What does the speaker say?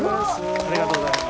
ありがとうございます。